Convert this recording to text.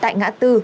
tại ngã tư